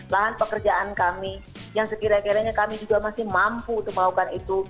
lahan pekerjaan kami yang sekira kiranya kami juga masih mampu untuk melakukan itu